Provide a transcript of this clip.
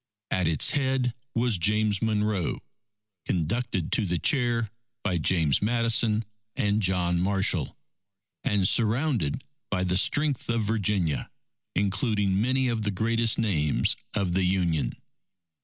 At its head was James Monroe, conducted to the chair by James Madison and John Marshall, and surrounded by the strength of Virginia, including many of the greatest names of the Union.